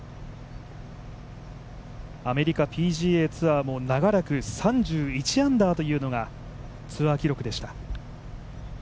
アメリカＰＧＡツアーも長らく３１アンダーというのがツアー記録でした。